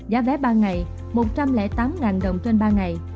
giá vé ba ngày một trăm linh tám đồng trên ba ngày